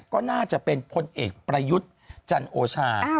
ก็น่าจะเป็นพลเอกประยุทธ์จันโอชา